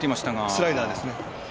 スライダーですね。